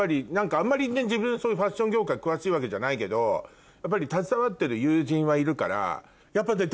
あんまり自分ファッション業界詳しいわけじゃないけど携わってる友人はいるから。